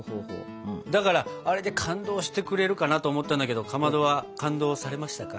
だからあれで感動してくれるかなと思ったんだけどかまどは感動されましたか？